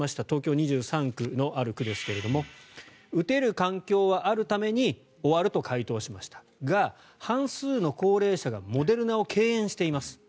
東京２３区のある区ですが打てる環境はあるために終わると回答しましたが半数の高齢者がモデルナを敬遠しています